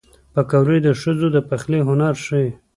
پکورې د ښځو د پخلي هنر ښيي